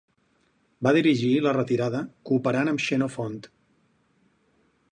Va dirigir la retirada cooperant amb Xenofont.